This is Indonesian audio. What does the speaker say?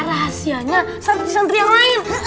rahasianya satu santri yang lain